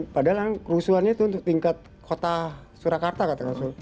padahal kan kerusuhannya tuh untuk tingkat kota surakarta katanya